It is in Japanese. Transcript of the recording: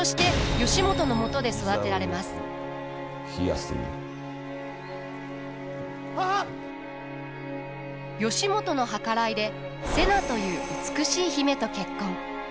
義元の計らいで瀬名という美しい姫と結婚。